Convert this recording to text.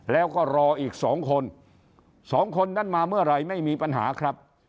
แล้วก็รออีก๒คนสองคนนั้นมาเมื่อไหร่ไม่มีปัญหาครับ